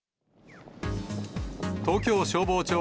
東京消防庁